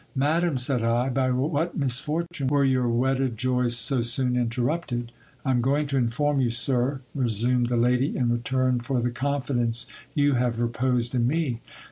Madam, said I, by what misfortune were your wedded joys so soon interrupted? I am going to inform you, sir, resumed the lady, in return for the confidence you have reposed in me.